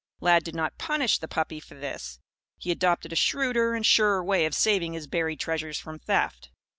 Lad did not punish the puppy for this. He adopted a shrewder and surer way of saving his buried treasures from theft.